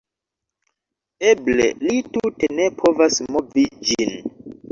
Eble li tute ne povas movi ĝin